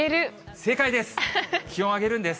正解です。